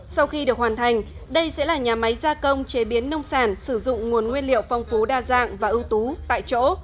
sau khi được hoàn thành đây sẽ là nhà máy gia công chế biến nông sản sử dụng nguồn nguyên liệu phong phú đa dạng và ưu tú tại chỗ